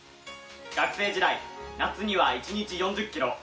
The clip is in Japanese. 学生時代、夏には一日４０ｋｍ